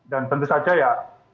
dan tentu saja ya